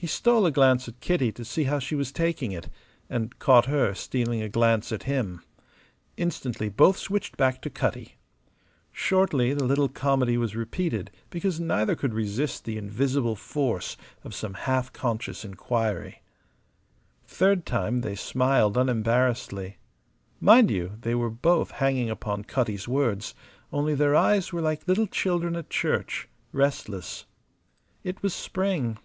He stole a glance at Kitty to see how she was taking it and caught her stealing a glance at him. Instantly both switched back to Cutty. Shortly the little comedy was repeated because neither could resist the invisible force of some half conscious inquiry. Third time, they smiled unembarrassedly. Mind you, they were both hanging upon Cutty's words; only their eyes were like little children at church, restless. It was spring.